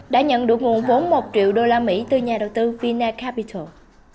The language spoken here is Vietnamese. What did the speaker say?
đã nhận được nguồn vốn một triệu đô la mỹ từ nhà đầu tư vinacapital